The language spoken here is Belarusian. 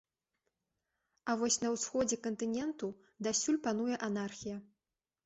А вось на ўсходзе кантыненту дасюль пануе анархія.